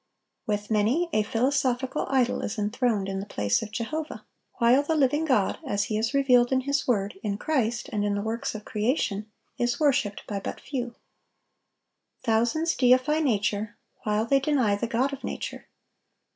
With many, a philosophical idol is enthroned in the place of Jehovah; while the living God, as He is revealed in His word, in Christ, and in the works of creation, is worshiped by but few. Thousands deify nature, while they deny the God of nature.